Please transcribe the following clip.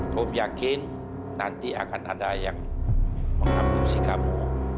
aku yakin nanti akan ada yang mengadopsi kamu